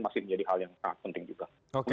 masih menjadi hal yang sangat penting juga